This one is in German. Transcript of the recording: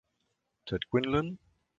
Ted Quinlan".